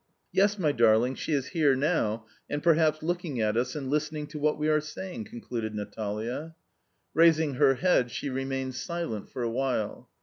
"Yes, my darling, she is here now, and perhaps looking at us and listening to what we are saying," concluded Natalia. Raising her head, she remained silent for a while.